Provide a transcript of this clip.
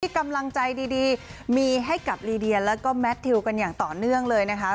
กำลังใจดีมีให้กับลีเดียแล้วก็แมททิวกันอย่างต่อเนื่องเลยนะคะ